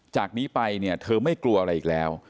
จากนี้ไปเนี่ยเธอไม่กลัวอะไรอีกแล้ว